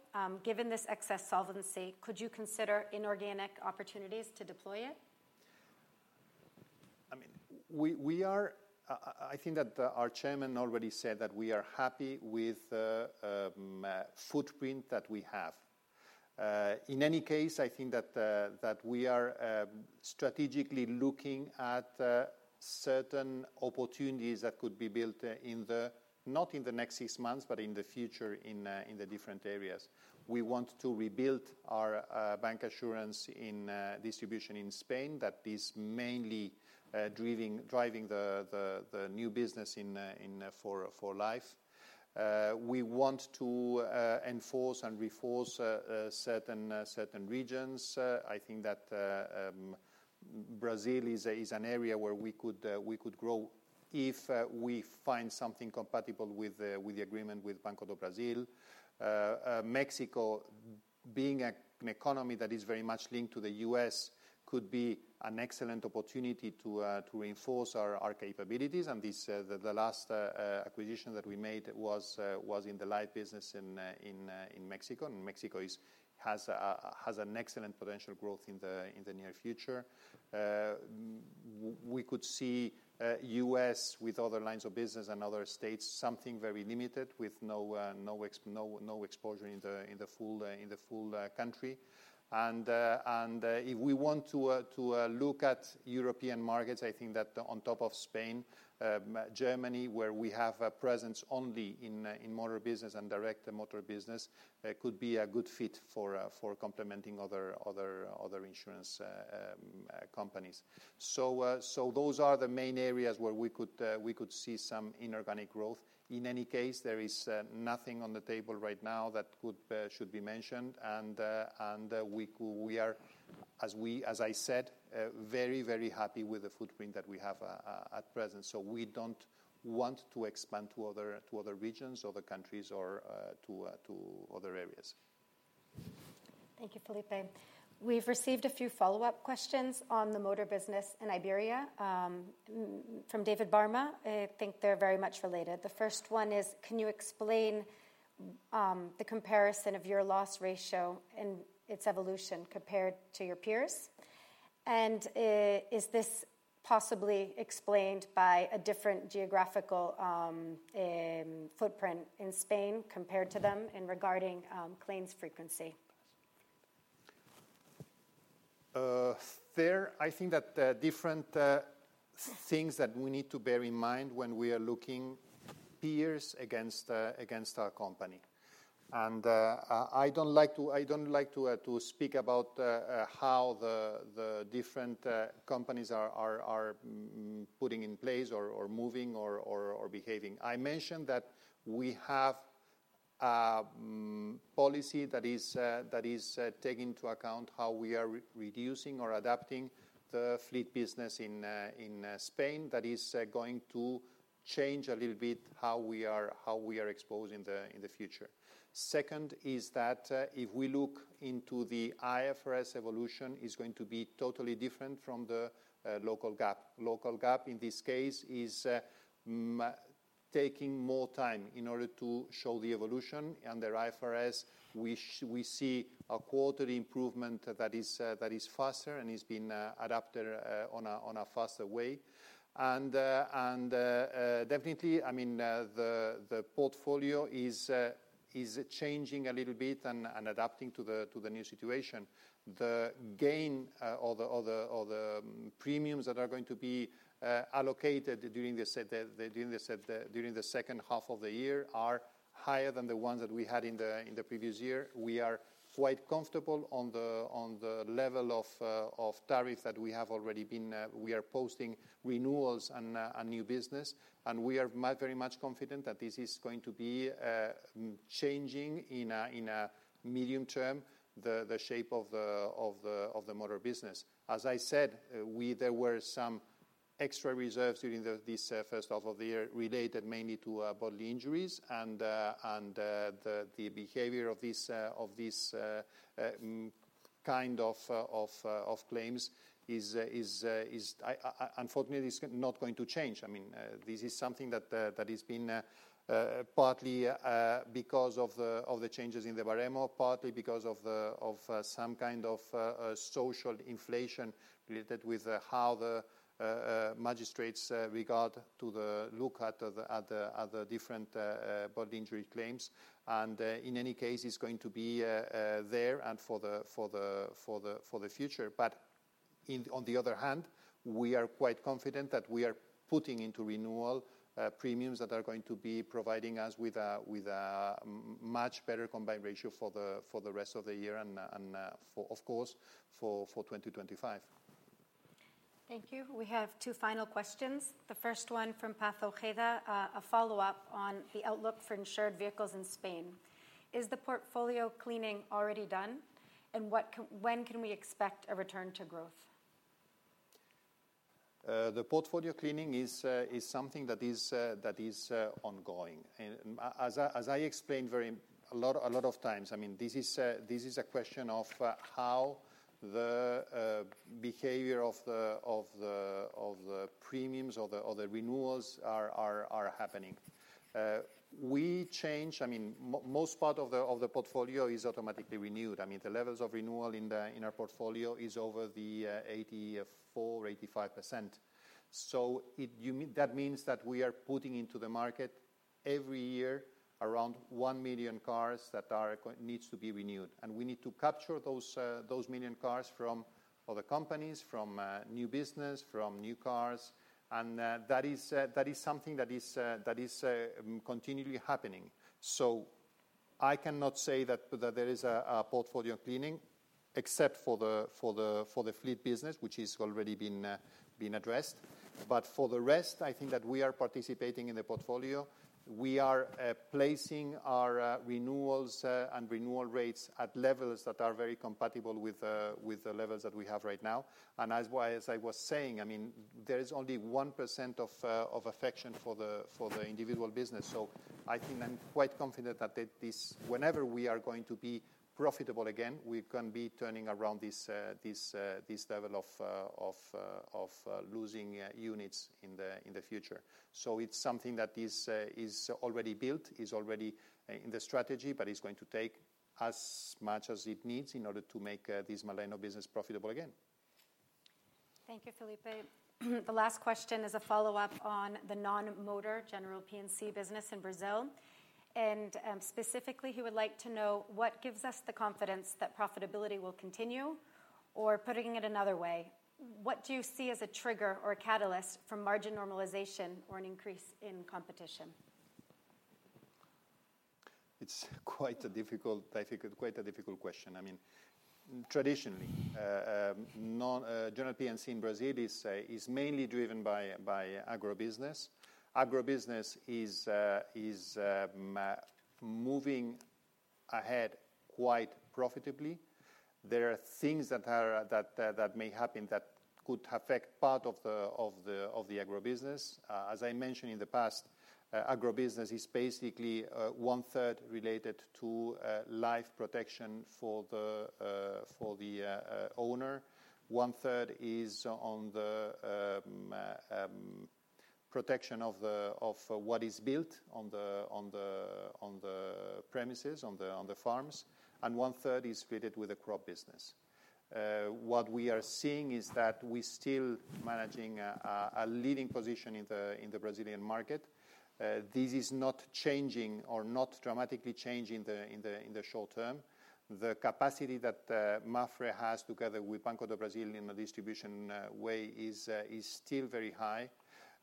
Given this excess solvency, could you consider inorganic opportunities to deploy it? I mean, I think that our chairman already said that we are happy with the footprint that we have. In any case, I think that we are strategically looking at certain opportunities that could be built in the not in the next six months, but in the future, in the different areas. We want to rebuild our bancassurance in distribution in Spain. That is mainly driving the new business in for life. We want to enhance and reinforce certain regions. I think that Brazil is an area where we could grow if we find something compatible with the agreement with Banco do Brasil. Mexico being an economy that is very much linked to the U.S. could be an excellent opportunity to reinforce our capabilities and this, the last acquisition that we made was in the life business in Mexico. Mexico has an excellent potential growth in the near future. We could see U.S. with other lines of business and other states, something very limited, with no exposure in the full country. If we want to look at European markets, I think that on top of Spain, Germany, where we have a presence only in motor business and direct motor business, could be a good fit for complementing other insurance companies. So, those are the main areas where we could see some inorganic growth. In any case, there is nothing on the table right now that could should be mentioned and, we are, as I said, very, very happy with the footprint that we have at present. So we don't want to expand to other regions or other countries or to other areas. Thank you, Felipe. We've received a few follow-up questions on the motor business in Iberia from David Barma. I think they're very much related. The first one is: Can you explain the comparison of your loss ratio and its evolution compared to your peers and is this possibly explained by a different geographical footprint in Spain compared to them in regarding claims frequency? There, I think that different things that we need to bear in mind when we are looking peers against our company. I don't like to speak about how the different companies are putting in place or moving or behaving. I mentioned that we have policy that is take into account how we are reducing or adapting the fleet business in Spain. That is going to change a little bit how we are exposed in the future. Second is that if we look into the IFRS evolution, is going to be totally different from the local GAAP. Local GAAP, in this case, is taking more time in order to show the evolution. Under IFRS, we see a quarterly improvement that is faster and is being adapted on a faster way and definitely, I mean, the portfolio is changing a little bit and adapting to the new situation. The gain or the premiums that are going to be allocated during the second half of the year are higher than the ones that we had in the previous year. We are quite comfortable on the level of tariff that we have already been... We are posting renewals and new business, and we are very much confident that this is going to be changing in a medium term, the shape of the motor business. As I said, there were some extra reserves during this first half of the year, related mainly to bodily injuries and the behavior of these kind of claims is unfortunately not going to change. I mean, this is something that has been partly because of the changes in the Baremo, partly because of some kind of social inflation related with how the magistrates regard to the look at the different bodily injury claims. In any case, it's going to be there and for the future, but on the other hand, we are quite confident that we are putting into renewal premiums that are going to be providing us with a much better combined ratio for the rest of the year and, and for, of course, for 2025. Thank you. We have two final questions. The first one from Paz Ojeda, a follow-up on the outlook for insured vehicles in Spain. Is the portfolio cleaning already done, and when can we expect a return to growth? The portfolio cleaning is something that is ongoing. As I explained a lot of times, I mean, this is a question of how the behavior of the premiums or the renewals are happening. We change, I mean, most part of the portfolio is automatically renewed. I mean, the levels of renewal in our portfolio is over the 84%-85%. So that means that we are putting into the market every year around 1 million cars that need to be renewed, and we need to capture those million cars from other companies, from new business, from new cars. That is something that is continually happening. So I cannot say that there is a portfolio cleaning, except for the fleet business, which is already been addressed, but for the rest, I think that we are participating in the portfolio. We are placing our renewals and renewal rates at levels that are very compatible with the levels that we have right now. As I was saying, I mean, there is only 1% of affection for the individual business. I think I'm quite confident that whenever we are going to be profitable again, we can be turning around this level of losing units in the future. So it's something that is already built, is already in the strategy, but it's going to take as much as it needs in order to make this motor business profitable again. Thank you, Felipe. The last question is a follow-up on the non-motor general P&C business in Brazil, and, specifically, he would like to know: What gives us the confidence that profitability will continue or putting it another way, what do you see as a trigger or a catalyst for margin normalization or an increase in competition? It's quite a difficult, I think, quite a difficult question. I mean, traditionally, non general P&C in Brazil is mainly driven by agribusiness. Agribusiness is moving ahead quite profitably. There are things that are that may happen that could affect part of the agribusiness. As I mentioned in the past, agribusiness is basically 1/3 related to life protection for the owner. 1/3 is on the protection of what is built on the premises, on the farms, and 1/3 is related with the crop business. What we are seeing is that we're still managing a leading position in the Brazilian market. This is not changing or not dramatically changing in the short term. The capacity that Mapfre has, together with Banco do Brasil in the distribution way is still very high.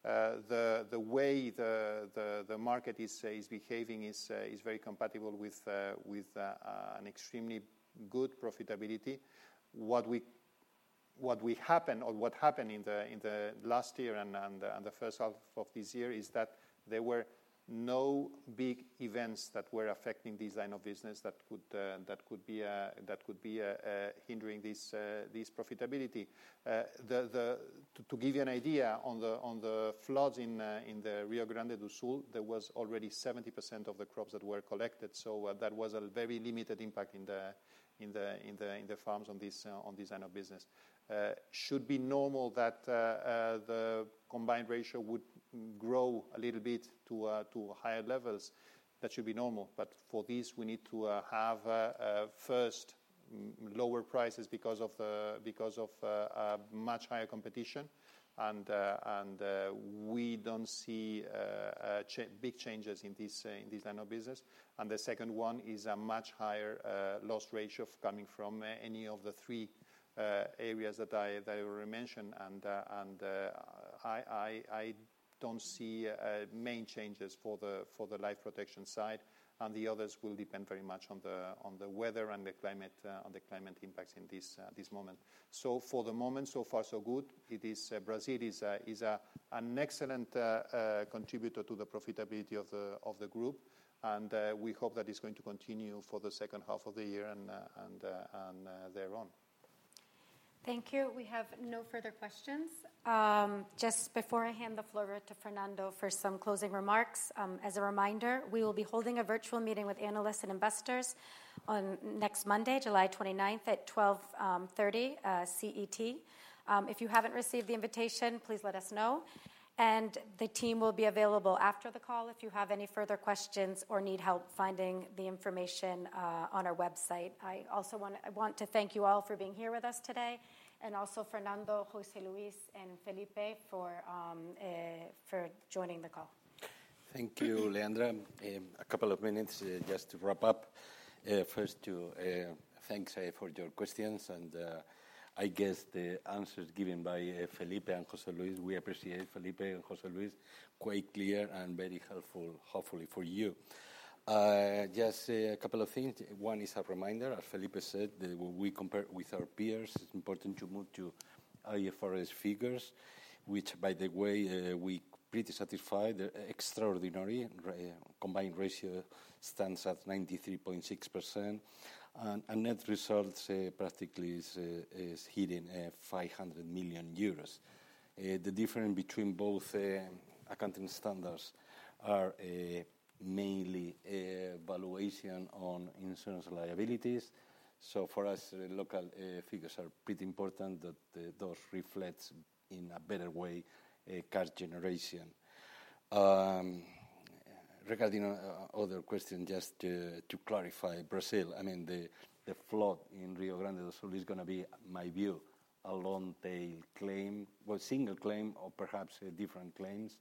The way the market is behaving is very compatible with an extremely good profitability. What happened in the last year and the first half of this year is that there were no big events that were affecting this line of business that could be hindering this profitability. To give you an idea, on the floods in the Rio Grande do Sul, there was already 70% of the crops that were collected, so that was a very limited impact in the farms on this line of business. Should be normal that the combined ratio would grow a little bit to higher levels. That should be normal, but for this, we need to have first, lower prices because of much higher competition, and we don't see big changes in this line of business and the second one is a much higher loss ratio coming from any of the three areas that I already mentioned. I don't see main changes for the life protection side, and the others will depend very much on the weather and the climate, on the climate impacts in this moment. So for the moment, so far, so good. Brazil is an excellent contributor to the profitability of the group, and we hope that it's going to continue for the second half of the year and thereon. Thank you. We have no further questions. Just before I hand the floor over to Fernando for some closing remarks, as a reminder, we will be holding a virtual meeting with analysts and investors on next Monday, July 29th, at 12:30 CET. If you haven't received the invitation, please let us know, and the team will be available after the call if you have any further questions or need help finding the information, on our website. I also wanna-- I want to thank you all for being here with us today, and also Fernando, José Luis, and Felipe for joining the call. Thank you, Leandra. A couple of minutes just to wrap up. First, thanks for your questions, and I guess the answers given by Felipe and José Luis, we appreciate Felipe and José Luis, quite clear and very helpful, hopefully for you. Just a couple of things. One is a reminder, as Felipe said, that when we compare with our peers, it's important to move to IFRS figures, which, by the way, we pretty satisfied. Extraordinary combined ratio stands at 93.6%, and net results practically is hitting 500 million euros. The difference between both accounting standards are mainly valuation on insurance liabilities. So for us, local figures are pretty important, that those reflects in a better way cash generation. Regarding other question, just to clarify, Brazil, I mean, the flood in Rio Grande do Sul is gonna be, my view, a long tail claim. Well, single claim or perhaps different claims,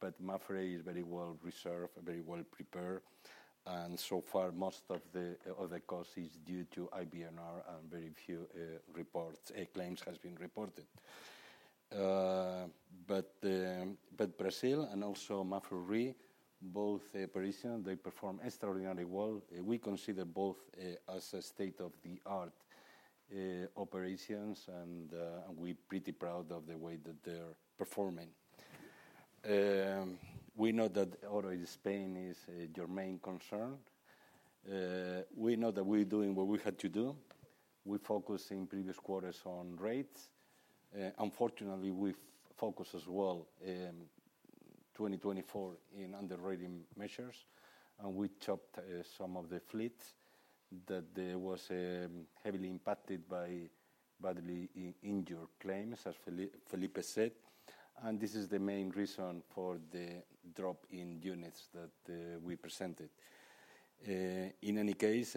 but Mapfre is very well reserved, very well prepared, and so far, most of the cost is due to IBNR, and very few reports, claims has been reported. But Brazil and also Mapfre, both operations, they perform extraordinarily well. We consider both as a state-of-the-art operations, and we're pretty proud of the way that they're performing. We know that already Spain is your main concern. We know that we're doing what we had to do. We focused in previous quarters on rates. Unfortunately, we focus as well in 2024 in underwriting measures, and we chopped some of the fleet that was heavily impacted by bodily injury claims, as Felipe said, and this is the main reason for the drop in units that we presented. In any case,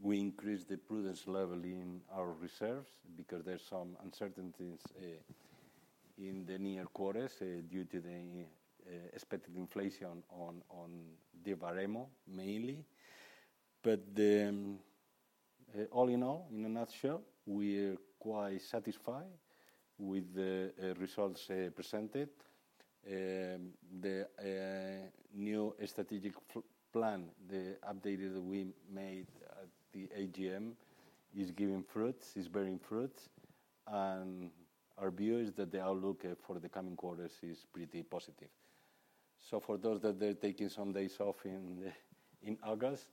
we increased the prudence level in our reserves because there's some uncertainties in the near quarters due to the expected inflation on the Baremo, mainly. But all in all, in a nutshell, we're quite satisfied with the results presented. The new strategic plan, the updated that we made at the AGM, is giving fruits, is bearing fruits, and our view is that the outlook for the coming quarters is pretty positive. For those that are taking some days off in August,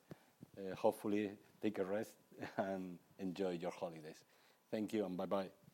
hopefully take a rest and enjoy your holidays. Thank you, and bye-bye.